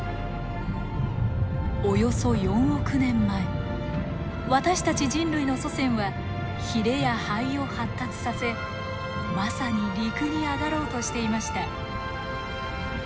およそ４億年前私たち人類の祖先はヒレや肺を発達させまさに陸に上がろうとしていました。